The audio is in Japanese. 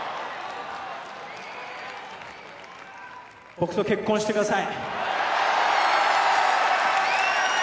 僕と結婚してください。